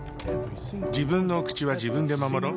自分のお口は自分で守ろっ。